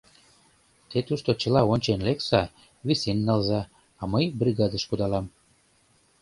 Те тушто чыла ончен лекса, висен налза, а мый бригадыш кудалам.